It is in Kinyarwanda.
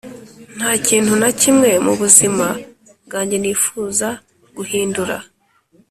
ntakintu nakimwe mubuzima bwanjye nifuza guhindura.